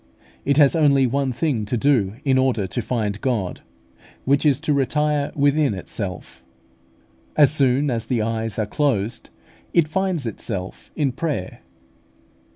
It has only one thing to do in order to find God, which is to retire within itself. As soon as the eyes are closed, it finds itself in prayer.